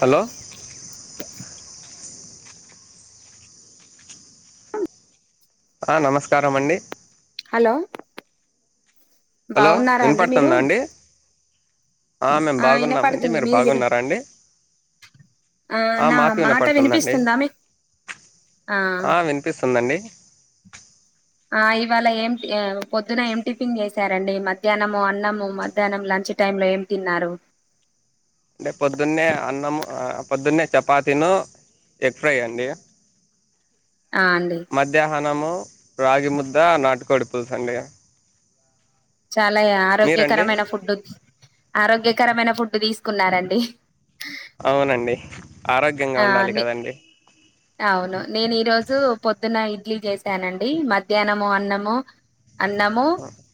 Hello ఆ నమస్కారం అండి హలో హలో బావున్నారా అండి మీరు వినపడుతుందా ఆ మేము బాగున్నామండి మీరు బాగున్నారా అండి ఆ నా మాకు మాట వినపడుతుదండి వినిపిస్తుందా మీ ఆ వినిపిస్తుందండి ఆ ఇవాళ ఏంటి పొద్దున ఏం టిఫిన్ చేశారండి మధ్యాహ్నము అన్నము మధ్యాహ్నం లంచ్ టైం లో ఏం తిన్నారు అంటే పొద్దున్నే అన్నం పొద్దున్నే చపాతీను ఎగ్ ఫ్రై అండి ఆ అండి మధ్యాహ్నము రాగి ముద్ద నాటు కోడి పులుసండి చాలా ఆరోగ్యకరమైన ఫుడ్డు ఆరోగ్యకరమైన ఫుడ్డు తీసుకున్నారండి అవునండి ఆరోగ్యంగా ఆ ఉండాలి కదండి అవును నేను ఈ రోజు పొ ద్దున ఇడ్లీ చేసానండి మధ్యాన అన్నము అన్నము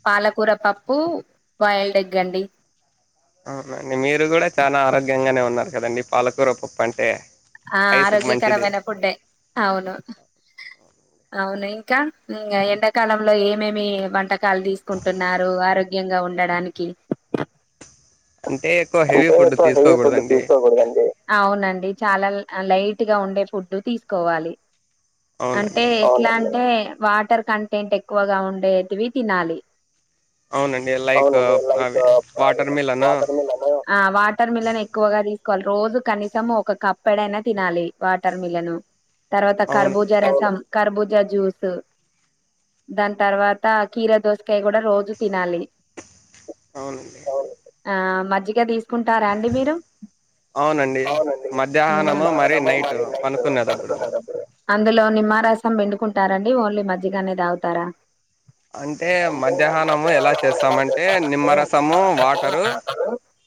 పాల కూర పప్పు బాయిల్డ్ ఎగ్గండి అవునండి మీరు కూడా చాలా ఆరోగ్యంగానే ఉన్నారు కదండి పాలకూర పప్పు అంటే ఆ ఐస్కి మంచిది ఆరోగ్యకరమైన ఫుడ్డే అవును అవును ఇంకా ఇంగ ఎండాకాలంలో ఏమేమి వంటకాలు తీసుకుంటున్నారు ఆరోగ్యంగా ఉండడానికి అంటే ఎక్కువ హెవీ అంటే ఫుడ్ ఎక్కువ హెవీ ఫుడ్ తీసుకోకూడదండి తీసుకోకూడదండి అవునండి చాలా లైట్గా ఉండే ఫుడ్ తీసుకోవాలి అంటే అవునండి ఎట్లా అంటే వాటర్ కంటెంట్ ఎక్కువగా ఉండేటివి తినాలి అవునండి లైక్ అవునండి లైక్ అవి వాటర్ మిలను వాటర్ మేలన్ ఆ వాటర్ మిలన్ ఎక్కువగా తీస్ కోవాలి రోజు కనీసం ఒక కప్పెడైనా తినాలి వాటర్ మిలను తర్వాత కర్బూజా అవునండి రసం కర్బూజా జ్యూస్ దాని తర్వాత కీర దోసకాయ కూడా రోజు తినాలి అవునండి అవును ఆ మజ్జిగ తీసుకుంటారా అండి మీరు అవునండి మధ్యహ్నం మరి నైట్ పడుకునేటప్పుడే అందులో నిమ్మరసం పిండుకుంటారండి ఓన్లీ మజ్జిగనే తాగుతారా అంటే మధ్యాహ్నము ఎలా చేస్తామంటే నిమ్మరసము వాటరు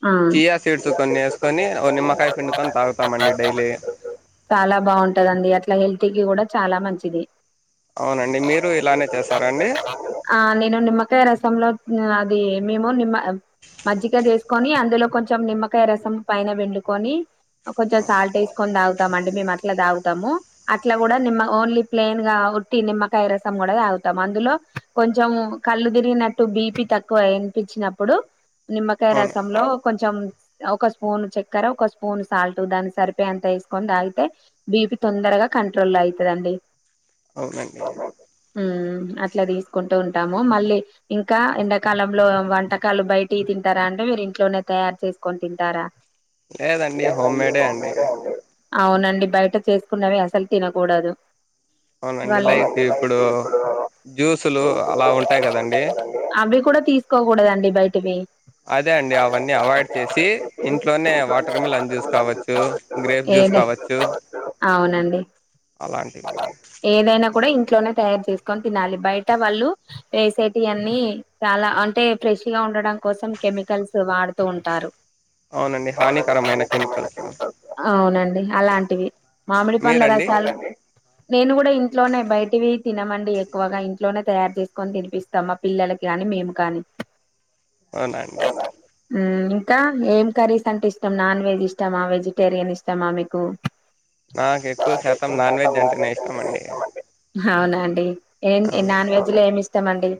అ చీయా సీడ్స్ కొన్ని ఎసుకొని ఓ నిమ్మకాయ నవనిమ్మకాయ పిండుకొని చేసుకొని తాగుతామండి డైలీ ఈరోజు చాలా బావుంటదండి అట్లా హెల్త్కి కూడా చాలా మంచిది అవునండి మీరు అవునుండి ఇలానే మీ తోటి క్యారి చేస్తారండి ఆ నేను నిమ్మకాయ రసంలో అది మేము నిమ్మ మజ్జిగా వేసుకొని అంద్ అందులో కొంచెం నిమ్మకాయ రసం పైన పిండుకొని కొంచెం సాల్ట్ వేసుకొని తాగు తామండి మేము అట్లా తాగుతాము అట్లా కూడా నిమ్మ ఓన్లీ ప్లెయిన్గా ఉట్టి నిమ్మకాయ రసం కూడా తాగు టం అందులో కొంచెం కళ్ళు తిరిగినట్టు బీపి తక్కువ అనిపించినప్పుడు నిమ్మకాయ అవును రసంలో చం ఒక స్పూన్ చక్కెర, ఒక స్పూన్ సాల్ట్ దానికి సరిపోయేంత ఎసుకని తాగితే బీపి తొందరగా కంట్రోల్ల అయితదండి. అవునండి. హ్ అట్లా తీసుకుంటూ ఉంటాము. మళ్ళీ ఇంకా ఎండాకాలంలో వంటకాలు బయటియి తింటరా అండి. మీరు ఇంట్లోనే తయారు చేసుకొని తింటారా? లేదండి హోమ్ మేడే అండి అవునండి బయట చేసుకున్నవి అసలు తినకూడదు. లైక్ అవునండి లైట్ ఇప్పుడు గా ఎప్పుడో. జ్యూసులు అలా ఉంటాయి కదండి అవి కూడా తీసుకోకూడదండి బయటివి. అదే అండి అవన్నీ వచ్చేసి ఇంట్లోనే వాటర్ మిలన్ జ్యూస్ కావచ్చు, గ్రేప్ జ్యూస్ కావచ్చు అవునండి అలాంటివండి ఏదైనా కూడా ఇంట్లోనే తయారు చేసుకొని తినాలి. బయట వాళ్ళు ఎసేటియి అన్ని చాలా అంటే ఫ్రెష్ గా ఉండడం కోసం కెమికల్స్ వాడుతూ ఉంటారు. అవునండి. హానికరమైన కెమికల్స్ అవునండి అలాంటివి. మామిడి పండ్ల మీరండి రసాలు నేను కూడా ఇంట్లోనే బయటివి తినమండి ఎక్కువగా. ఇంట్లోనే తయారు చేసుకొని తినిపిస్తాం మా పిల్లలకి కాని, మేము కాని. అవునాండి. ఇంకా ఏం కర్రీస్ అంటే ఇష్టం? నాన్ వెజ్ ఇష్టమా, వెజిటేరియన్ ఇష్టమా మీకు? నాకు ఎక్కువ శాతం నాన్ వెజ్ అంటనే ఇష్టం అండి. అవునా అండి. ఏ అవునండి నాన్ వెజ్ లో ఏమిష్టమండి?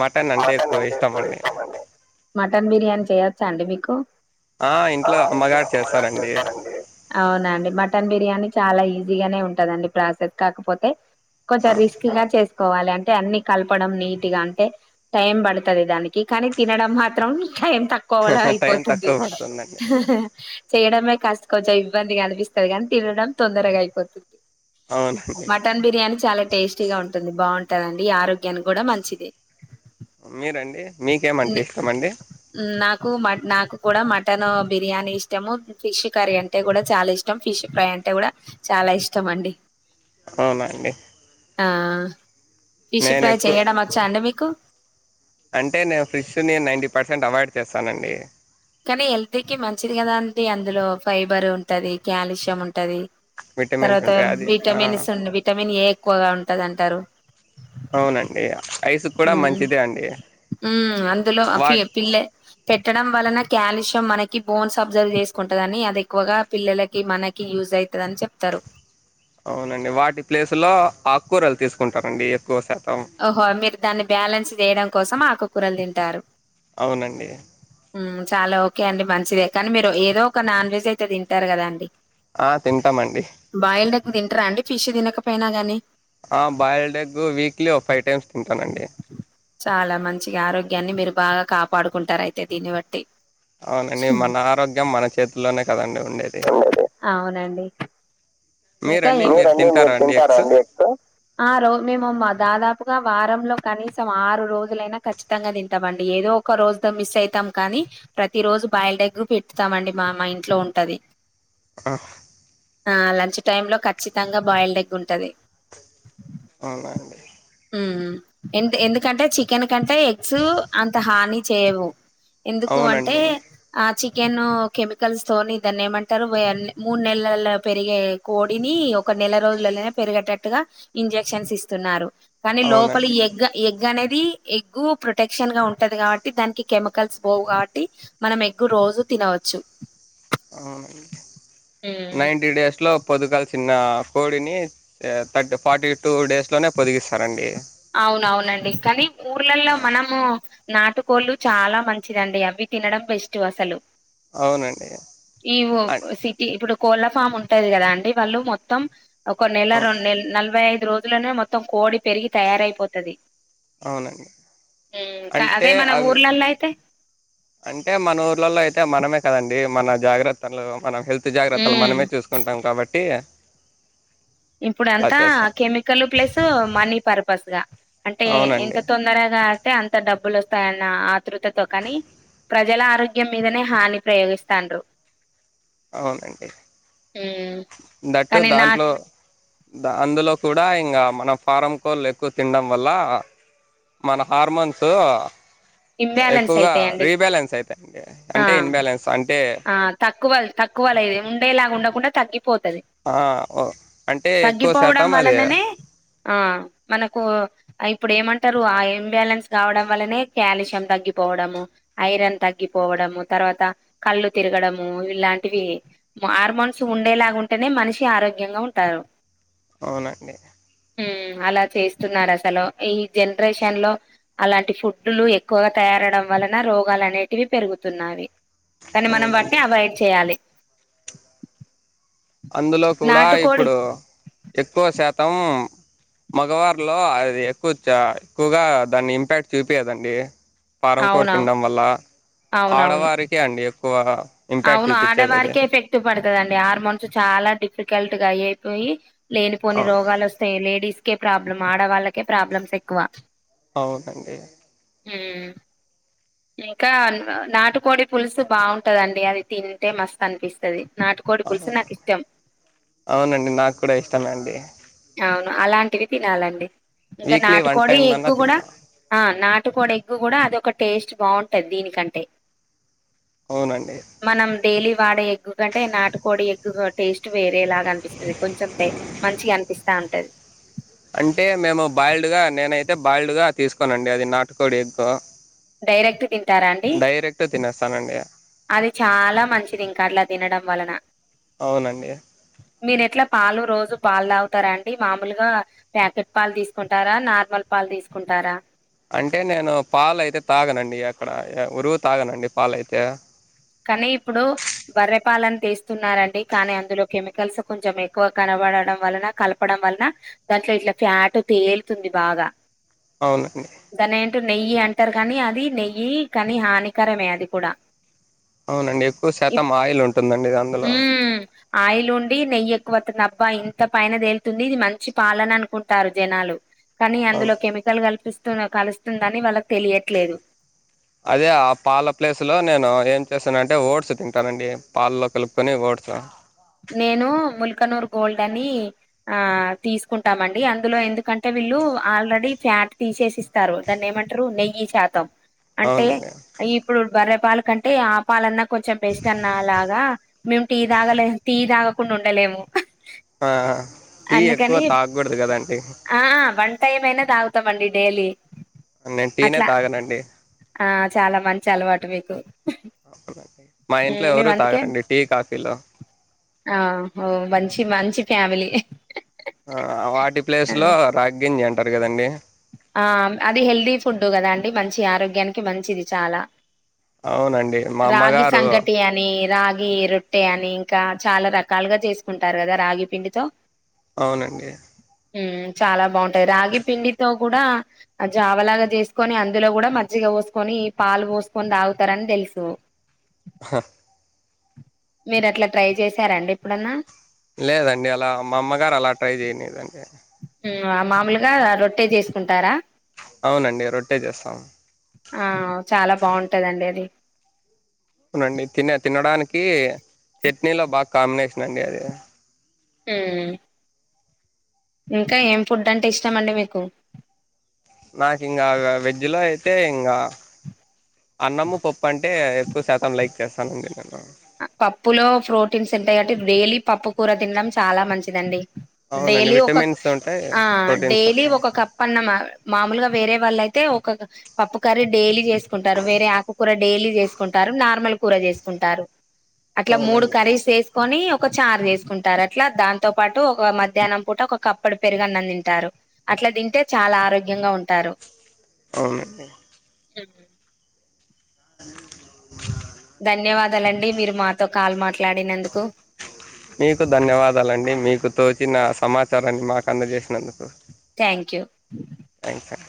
మటన్ అంటే ఎక్కువ ఇష్టం అండి. చెయ్యచ్చా అండి మీకు? ఆ ఇంట్లో అమ్మగారు చేస్తారండి అవునా అండి మటన్ బిర్యానీ చ చాలా ఈజీ గానే ఉంటందండి ప్రాసెస్. కాకపోతే కొంచం ఆ రిస్క్ గా చేసుకోవాలి. అం టే అన్ని కలపడం నీట్ గా అంటే టైం పడుతది దానికి, కానీ తినడం మాత్రం టైం త కోవలో టైం అయిపోతుంది. తక్కువ పడుతుందండి చేయడమే కస్ కొంచెం ఇబ్బందిగా అనిపిస్తది కానీ తినడం తొందరగా అయిపోతుంది. అవునండి మటన్ బిర్యానీ చాలా టేస్టీగా ఉంటుంది, బావుం టదండి ఆరోగ్యానికి కూడా మంచిదే. మీరండి? మీకేమంటే నే ఇష్టమండి నాకు మట్ నాకు కూడా మట్ మటన్ బిర్యానీ ఇష్టము, ఫిష్ కర్రీ అంటే కూడా చాలా ఇష్టం. ఫిష్ ఫ్రై అంటే కూడా చాలా ఇష్టం మండి. అవునా అండి. ఆ ఫిష్ నేను ఫ్రై ఎక్కువ చేయడం వచ్చాఅండి మీకు? అంటే నేను ఫిష్ ని నైంటీ పర్సెంట్ అవాయిడ్ చేస్తానండి. కానీ హెల్త్ కి మంచిది కదా అండి. అందులో ఫైబర్ ఉంటది, క్యాల్షియం ఉం ఉంటది. విటమిన్స్ తర్వాత ఉంటాయి అది ఆ విటమిన్స్ ఉ విటమిన్ ఏ ఎక్కువగా ఉంటది అంటారు. అవునండి. ఐస్ కూడా మంచిదే అండి అందులో అ వా ఫి పిల్ల పెట్టడం వలన క్యాల్షియం మనకి బోన్స్ అబ్సర్వ్ చేసుకుంటదని, అది ఎక్కువగా పిల్లలకి మనకి యూజ్ అయితదని చెప్తరు. రు అవునండి వాటి ప్లేసులో ఆకూరలు తీసుకుంటారండి ఎక్కువ శాతం ఓహో మీరు దాన్ని బ్యాలెన్స్ చేయడం కోసం ఆకుకూరలు తింటారు అవునండి హ్మ్ చాలా ఓకే అండి మంచిదే కానీ మీరు ఏదో ఒక నాన్ వెజ్ అయితే తింటారు కదా అండి ఆ తింటామండి బయిల్డ్ ఎగ్ తింటారా అండి ఫిష్ తినకపోయినా గాని ఆ బాయిల్డ్ ఎగ్ వీక్లీ ఒక ఫైవ్ టైమ్స్ తింటానండి చాలా మంచిగా ఆరోగ్యాన్ని మీరు బాగా కాపాడుకుంటారు అయితే దీన్ని బట్టి అవునండి హ్మ్. మన ఆరోగ్యం మన చేతుల్లోనే కదండి ఉండేది అవునండి మీరండి ఎవరు అండి తింటారా మీరు ఎగ్స్ తింటారండి ఎగ్ వారంలో కనీసం ఆరు రోజులైనా ఖచ్చితంగా తింటామండి ఏదో ఒక రోజుతో మిస్ అయితాం కానీ ప్రతి రోజు బయిల్ద్ ఎగ్ పెట్టుతామండి మా మా ఇంట్లో ఉంటది ఆ ఆ లంచ్ టైమ్ లో ఖచ్చితంగా బాయిల్డ్ ఎగ్ ఉంటది అవునా అండి ఎ ఎందుకంటే చికెన్ కంటే ఎగ్స్ అంత హాని చేయవు ఎందుకు అంటే అవునండి ఆ చి చికెన్ కెమికల్స్ తోని దాన్ని ఏమంటారు మూడు నెలల్లో పెరిగే కోడిని ఒక నెల రోజులలోనే పెరిగేటట్టుగా ఇంజక్షన్స్ ఇస్తున్నారు కానీ లోపల అవునండి ఎగ్ ఎగ్ అనేది ఇది ఎగ్ ప్రొటెక్షన్ గా ఉంటది కాబట్టి దానికి కెమికల్స్ పోవు కాబట్టి మనం ఎగ్ రోజు తినవచ్చు అవునండి హ్మ్. నైటీ డేస్ లో పొద్గల్చిన తిన్న కోడిని ఫార్టీ టూ డేస్ లోనే పొదిగిస్తారండి అవునవును అండి కానీ ఊర్లలో మనము నాటు కోళ్ళు చాలా మంచిది అండి అవి తినడం బెస్ట్ అసలు అవునండి ఈ ఓ అన్ సిటీ ఇప్పుడు కోళ్ళ ఫామ్ ఉంటది కదా అండి వాళ్ళు మొత్తం ఒక నెల అవును రెండు నలభై ఐదు రోజుల్లోనే మొత్తం కోడి పెరిగి తయారైపోతది అవునండి. కా అంటే అదే మన అవి ఊర్లలో అయితే అంటే మన ఊర్లలో అయితే మనమే కదండి మన జాగ్రత్తలు మన హెల్త్ జాగ్రత్తలు ఉమ్ మనమే చూసుకుంటాం కాబట్టి ఇప్పుడ అలా అంతా చేస్తాం. కెమికల్ ప్లస్ మనీ పర్పస్ గా అంటే ఎంత అవునండి. తొందరగా వస్తే అంత డబ్బులు వస్తాయన్న ఆతృతతో కానీ ప్రజల ఆరోగ్యం మీదనే హాని ప్రయోగిస్తాండ్రు అవునండి ఉమ్ దట్టు కానీ దాంట్లో నాట్ ద అందులో కూడా ఇంగా మన ఫారం కోళ్లు ఎక్కువ తినడం వల్ల మన హార్మోన్స్ ఇంబ్యాలెన్స్ ఎక్కువగా అయితాయండి రీబ్యాలెన్స్ అయితయి అండి ఆ అంటే ఇన్బ్యాలెన్స్ అంటే ఆ తక్కువ తక్కువలుది ఉండేలాగా ఉండకుండా తగ్గి ఆ ఓ అంటే ఎక్కువ తగ్గిపోవడం శాతం అది వలననే ఆ మనకు అయి ఇప్పుడు ఏమంటారు ఆ ఇన్బ్యాలెన్స్ కావడం వల్లనే కాల్షియం తగ్గిపోవడము ఐరన్ తగ్గిపోవడం డము తర్వాత కళ్ళు తిరగడము ఇలాంటివి హార్మోన్స్ ఉండేలాగా ఉంటేనే మనిషి ఆరోగ్యంగా ఉంటారు ఆ అవునండి ఉమ్ అలా చేస్తున్నారు అసలు ఈ జనరేషన్ లో అలాంటి ఫుడ్లు ఎక్కువగా తయారు వలన రోగాలు అనేటివి పెరుగుతున్నాయి కానీ మనం వాటిని అవునండి. అవాయిడ్ చేయాలి అందులో కూడా నాటుకోడి ఇప్పుడు ఎక్కువ శాతం మగవారిలో అది ఎక్కువ చ ఎక్కువగా దాన్ని ఇంపాక్ట్ చూపియదండి ఫారం కోడి అవునవును తినడం వల్ల అవునవును ఆడవారికే అండి ఎక్కువ ఇంపాక్ట్ అవును చూపించేది అది ఆడవారికే ఎఫెక్ట్ ఉన్ టది హార్మోన్స్ చాలా డిఫికల్ట్ గా అయిపోయి లేనిపోని రోగాలు అవునండి వస్తాయి లేడీస్ కే ప్రాబ్లమ్ ఆడవాళ్ళకే ప్రాబ్లమ్స్ ఎక్కువ అవునండి ఉమ్ ఇంకా నాటుకోడి పులుసు బాగుంటదండి అది తింటే మస్తు అనిపిస్తది నాటుకోడి పులుసు నాకు ఇష్టం అవునండి నాకు కూడా ఇష్టమే అండి అవును అలాంటివి తినాలండి ఇంకా వీక్లీ వన్ నాటుకోడి టైమ్ దన్నా ఎగ్గు కూడా తింటా ఆ నాటుకోడి ఎగ్గు కూడా అద టేస్ట్ బాగుంటది దీనికంటే అవునండి మనం డైలీ వాడే ఎగ్గు కంటే నాటుకోడి ఎగ్గు టేస్ట్ వే రే లాగా అనిపిస్తుది కొంచెం మంచిగా అనిపిస్తా ఉంటది అంటే మేము బాల్డ్గా నేనైతే బాల్డ్గా తీసుకోన అండి అది నాటుకోడి ఎక్కవ డైరెక్ట్ తింటారా అండి తినేస్తానండి అది చాలా మంచిది ఇంక అట్లా తినడం వలన అవునండి మీరు ఎట్లా పాలు రోజు పాలు తాగుతారాండి మామూలుగా ప్యాకెట్ పాలు తీసుకుంటారా నార్మల్ పాలు తీసుకుంటారా అంటే నేను పాలయితే తాగనండి అక్కడ రోజు తాగనండి పాలయితే కానీ ఇప్పుడు బర్రెపాలను తీస్తున్నారండి కానీ అందులో కెమికల్స్ కొంచెం ఎక్కువ కన పడడం వలన కలపడం వలన దాంట్లో ఇట్లా ఫ్యాట్ తేలుతుంది బాగా అవునండి దాని ఏంటో నెయ్యి అంటారు కానీ అది నెయ్యి కానీ హానికరమే అది కూడా అవునండి ఎక్కువ శాతం ఆయిల్ ఉంటుందండిది అందులో హ్మ్ ఆయిల్ ఉండి నెయ్యి ఎక్కువ అత్తంది డబ్బా ఇంత పైన తేలుతుంది ఇది మంచి పాలన అనుకుంటారు జనాలు కానీ అవును అందులో కెమికల్ కల్పిస్తు కలుస్తుందని వాళ్ళకి తెలియట్లేదు అదే ఆ పాల ప్లేస్ లో నేను ఏం చేస్తానంటే ఓట్స్ తింటానండి పాాలల్లో కలుపుకుని అట్లా నేను ముల్కనూర్ గోల్డ్ అని ఆ తీసుకుంటామండి అందులో ఎందుకంటే ఆల్లూ ఆల్రెడీ ఫ్యాట్ తీసేసి ఇస్తారు దాన్ని ఏమంటారు నెయ్యి శాతం అంటే అవునండి ఇప్పుడు బర్రెపాల కంటే ఆ పాలన్నా కొంచెం బెస్ట్ అన్నా అలాగా మేమి టీ దాగలే టీ తాగకుండా ఉండలేము ఆ టీ ఎక్కువ అందుకని తాగకూడదు కదాండీ ఫైవ్ అయినా తాగుతామండి డైలీ నేను టీ నే అట్లా తాగనండి ఆ చాలా మంచి అలవాటు మీకు మా ఇంట్లో ఎవరు తాగరండి టీ కాఫీలు ఆఓ మంచి మంచి ఫ్యామిలీ ఆ వాటి ఆ ప్లేస్ లో రాగి గంజి అంటారు కదండి ఆ అది హెల్దీ ఫుడ్డు కదా అండి మంచి ఆరోగ్యానికి మంచిది చాలా అవునండి మా రాగి అమ్మగారు సంఘటి అని రాగి రొట్టె అని ఇంకా చాలా రకాలుగా చేసుకుంటారు కదా రాగి పిండితో అవునండి ఉం చాలా బాగుంటాయి రాగి పిండితో కూడా జావలాగా చేసుకొని అందులో కూడా మజ్జిగ పోసుకొని పాలు పోసుకొని తాగుతారని తెలుసు హ మీరు అట్లా ట్రై చేసారండి ఎప్పుడన్నా లేదండి అలా మా అమ్మగారు అలా ట్రై చేయనిదండి ఉం మాములుగా రొట్టే చేసుకుంటారా అవునండి రొట్టె చేస్తాం ఆ చాలా బాగుంటదండి అది అవునండి తిన తినడానికి చట్నీలో బాగా కాంబినేషన్ అండి అది ఉం ఇంకా ఏం ఫుడ్ అంటే ఇష్టామండి మీకు నాకు ఇంగా వెజ్ లో అయితే ఇంగా అన్నము పప్పు పప్పు అంటే ఎక్కువ శాతం లైక్ చేస్తాన అండి నేను పప్పులో ప్రోటీన్స్ ఉంటాయి కాబట్టి డైలీ పప్పు కూర తినడం చాలా మంచిదండి అవునండి డైలీ ఒక విటమిన్స్ ఉంటాయి ఆ ప్రోటీన్స్ డైలీ ఉంటాయి ఒక కప్ప అన్నమా మామూలుగా వేరే వాళ్ల అయితే ఒక పప్పు కరీ డైలీ చేసుకుంటారు వేరే ఆకుకూర డైలీ చేసుకుంటారు నార్మల్ కూర చేసుకుంటారు అట్లా మూడు అవునండి కర్రీస్ చేసుకోని ఒక చార్ చేసుకుంటారు అట్లా దాంతో పాటు ఒక మధ్యాహ్నం పూట ఒక కప్పడు పెరుగన్న తింటారు అట్లా అట్లా తింటే చాలా ఆరోగ్యంగా ఉంటారు అవునండీ [unintelligible] న [inaudible] ధన్యవాదాలండి మీరు మాతో కాల్ మాట్లాడినందుకు మీకు ధన్యవాదాలండి మీకు తోచిన సమాచారాన్ని మాకు అందజేసినందుకు థ్యాంక్ యూ థాంక్స్